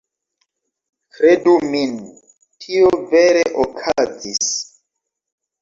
Kredu min, tio vere okazis.